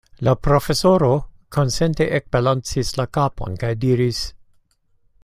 La profesoro konsente ekbalancis la kapon kaj diris: